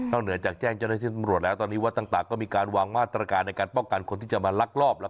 เหนือจากแจ้งเจ้าหน้าที่ตำรวจแล้วตอนนี้วัดต่างก็มีการวางมาตรการในการป้องกันคนที่จะมาลักลอบ